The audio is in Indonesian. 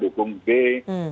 dukung a dukung b